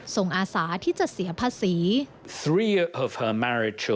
อาสาที่จะเสียภาษี